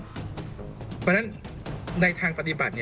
เพราะฉะนั้นในทางปฏิบัติ